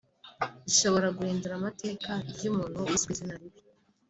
ishobora guhindura amateka y’umuntu wiswe izina ribi